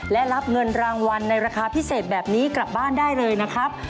และรับเงินรางวัลในราคาพิเศษแบบนี้กลับบ้านได้เลยนะครับ